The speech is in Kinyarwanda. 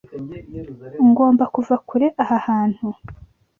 Ngomba kuva kure aha hantu.